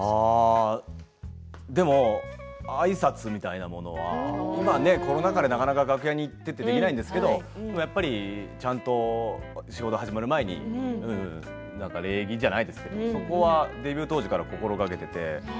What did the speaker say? でもあいさつみたいなものは今、コロナ禍で楽屋に行ってとかできないんですけどやっぱりちゃんと仕事始まる前に礼儀じゃないですけど、そこはデビュー当時から心がけていて。